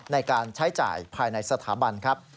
ในการใช้จ่ายภายในสถาบันครับ